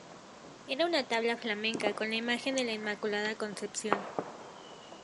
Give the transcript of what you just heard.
Era una tabla flamenca con la imagen de la Inmaculada Concepción.